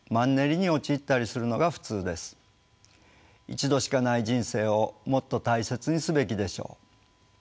一度しかない人生をもっと大切にすべきでしょう。